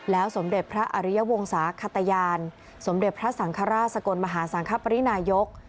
สมเด็จพระอริยวงศาขตยานสมเด็จพระสังฆราชสกลมหาสังคปรินายก